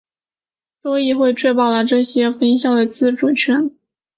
州议会确保了这些分校的自主权。